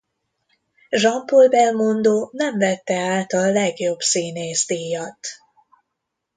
Jean-Paul Belmondo nem vette át a legjobb színész díjat.